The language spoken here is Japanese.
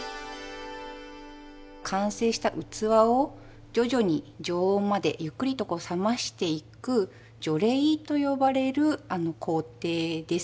完成した器を徐々に常温までゆっくりと冷ましていく「徐冷」と呼ばれる工程です。